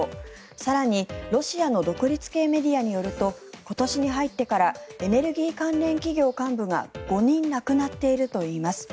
更にロシアの独立系メディアによると今年に入ってからエネルギー関連企業幹部が５人亡くなっているといいます。